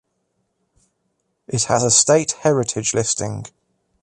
It has a state heritage listing.